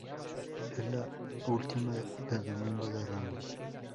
Es la última del Domingo de Ramos.